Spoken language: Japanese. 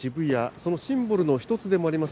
そのシンボルの一つでもあります